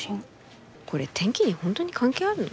これ天気に本当に関係あるの？